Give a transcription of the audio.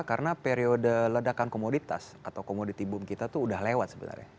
karena periode ledakan komoditas atau komoditi boom kita itu sudah lewat sebenarnya